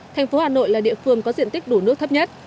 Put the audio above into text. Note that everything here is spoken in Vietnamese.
thành phố hà nội là địa phương có diện tích đủ nước thấp nhất